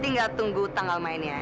tinggal tunggu tanggal mainnya